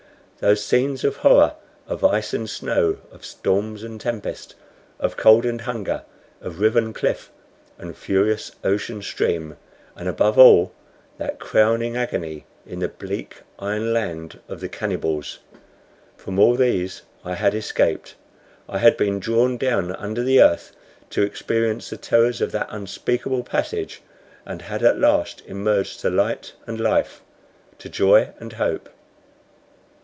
Those scenes of horror, of ice and snow, of storm and tempest, of cold and hunger, of riven cliff and furious ocean stream, and, above all, that crowning agony in the bleak iron land of the cannibals from all these I had escaped. I had been drawn down under the earth to experience the terrors of that unspeakable passage, and had at last emerged to light and life, to joy and hope.